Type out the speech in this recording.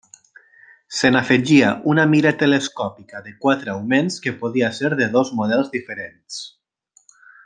Se n'afegia una mira telescòpica de quatre augments que podia ser de dos models diferents.